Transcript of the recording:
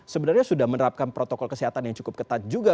sebenarnya sudah menerapkan protokol kesehatan yang cukup ketat juga